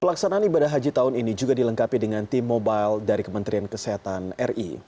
pelaksanaan ibadah haji tahun ini juga dilengkapi dengan tim mobile dari kementerian kesehatan ri